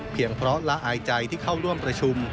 เพราะละอายใจที่เข้าร่วมประชุม